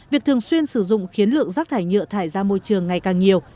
việc thường xuyên sử dụng khiến lượng rác thải nhựa thải ra môi trường ngày càng nhiều